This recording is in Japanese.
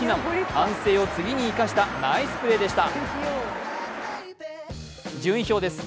反省を次ぎに生かしたナイスプレーでした。